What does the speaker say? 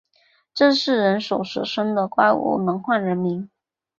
这是人首蛇身的怪物，能唤人名